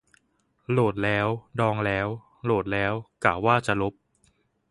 โหลดแล้ว ดองแล้ว โหลดแล้ว กะว่าจะลบ